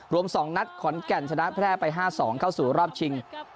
รวม๒นัดขอนแก่นชนะแพร่ไป๕๒เข้าสู่รอบชิง